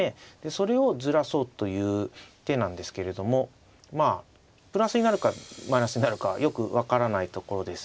それをずらそうという手なんですけれどもまあプラスになるかマイナスになるかはよく分からないところです。